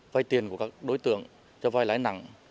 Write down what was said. vây tiền của các đối tượng cho vay lãi nặng